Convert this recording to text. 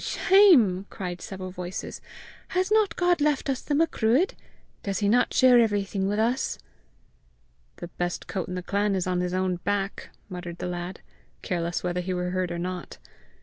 Shame!" cried several voices. "Has not God left us the Macruadh? Does he not share everything with us?" "The best coat in the clan is on his own back!" muttered the lad, careless whether he were heard or not.